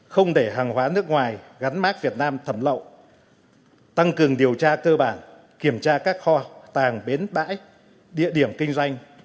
không để hàng hóa nước ngoài gắn mát việt nam thẩm lậu tăng cường điều tra cơ bản kiểm tra các kho tàng bến bãi địa điểm kinh doanh